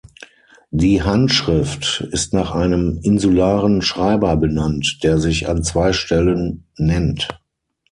Die Handschrift ist nach einem insularen Schreiber benannt, der sich an zwei Stellen nennt.